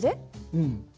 うん。